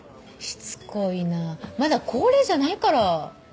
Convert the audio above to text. しつこいなまだ高齢じゃないから。